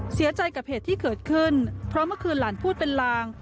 เสียใจกับเหตุที่เกิดขึ้นเพราะเมื่อคืนหลานพูดเป็นลาง